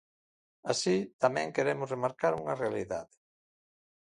Así, tamén queremos remarcar unha realidade.